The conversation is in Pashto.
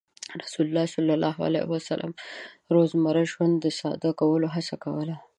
رسول الله صلى الله عليه وسلم د روزمره ژوند د ساده کولو هڅه کوله.